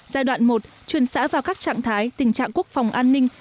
giai đoạn một chuyển xã vào các trạng thái tình trạng quốc phòng an ninh